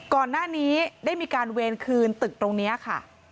ก่อนหน้านี้ได้มีการเวรคืนตึกตรงนี้ค่ะ